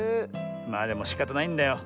まあでもしかたないんだよ。